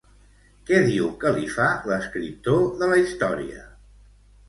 Què diu que li fa l'escriptor de la història?